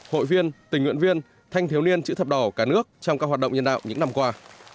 hội viên tình nguyện viên thanh thiếu niên chữ thập đỏ cả nước trong các hoạt động nhân đạo những năm qua